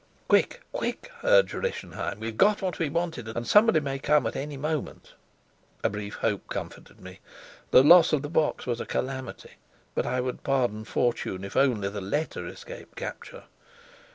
"Quick, quick!" urged Rischenheim. "We've got what we wanted, and somebody may come at any moment." A brief hope comforted me. The loss of the box was a calamity, but I would pardon fortune if only the letter escaped capture.